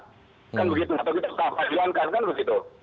kan begitu atau kita tak pajankan kan begitu